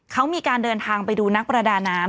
เขามีการเดินทางไปดูนักประดาน้ำ